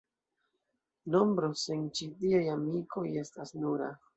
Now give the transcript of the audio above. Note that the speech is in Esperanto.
Nombro sen ĉi tiaj amikoj estas nura.